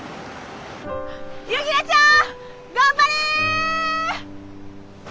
雪菜ちゃん頑張れ！